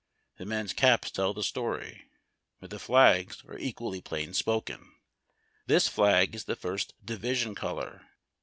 The men's caps tell the story, but the flags are equally plain spoken. This flag is the first division color.